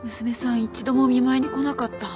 一度もお見舞いに来なかった。